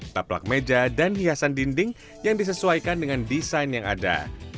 taplak meja dan hiasan dinding yang disesuaikan dengan desain yang ada